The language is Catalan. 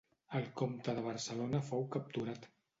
El comte de Barcelona fou capturat.